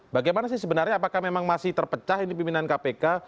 bagaimana sih sebenarnya apakah memang masih terpecah ini pimpinan kpk